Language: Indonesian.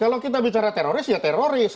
kalau kita bicara teroris ya teroris